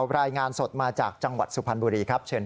ให้รายงานสดมาจากจังหวัดสุพรณบุรีมาเชิญ